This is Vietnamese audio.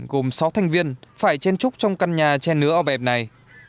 gồm sáu thành viên phải chen trúc trong căn nhà che nứa ở bẹp này